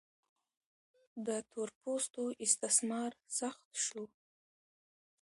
د تور پوستو استثمار سخت شو.